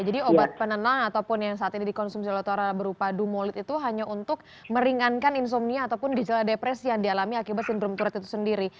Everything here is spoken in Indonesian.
jadi obat penenang ataupun yang saat ini dikonsumsi oleh tora berupa lumolid itu hanya untuk meringankan insomnia ataupun gizela depresi yang dialami akibat sindrom tourette itu sendiri